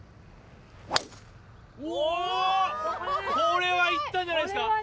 これはいったんじゃないですか！？